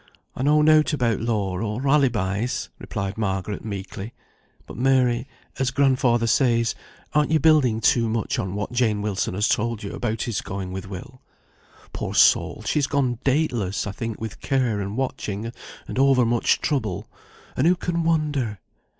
"I know nought about law, or alibis," replied Margaret, meekly; "but, Mary, as grandfather says, aren't you building too much on what Jane Wilson has told you about his going with Will? Poor soul, she's gone dateless, I think, with care, and watching, and over much trouble; and who can wonder?